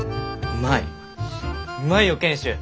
うまいよ賢秀。